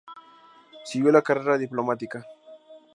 Siguió la carrera diplomática.